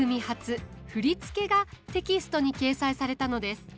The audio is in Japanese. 初振り付けがテキストに掲載されたのです。